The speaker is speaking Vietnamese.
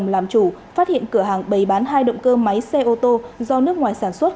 làm chủ phát hiện cửa hàng bày bán hai động cơ máy xe ô tô do nước ngoài sản xuất